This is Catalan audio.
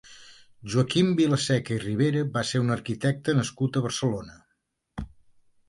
Joaquim Vilaseca i Rivera va ser un arquitecte nascut a Barcelona.